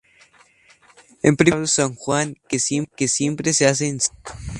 En primer lugar, San Juan, que siempre se hace en sábado.